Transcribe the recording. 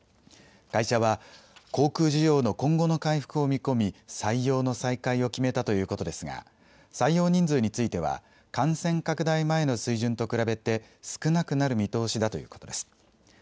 会社は、航空需要の今後の回復を見込み、採用の再開を決めたということですが、採用人数については、感染拡大前の水準と比べて少なくなる見通しだということです。